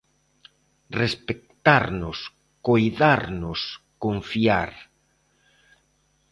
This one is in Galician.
Respectarnos, coidarnos, confiar.